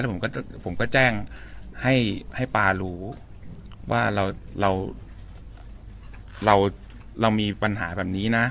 ผมก็แจ้งให้ปลารู้ว่าเรามีปัญหาแบบนี้นะ